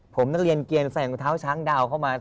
ผมนักเรียนเกียรใส่งเท้าช้างดาวเข้ามา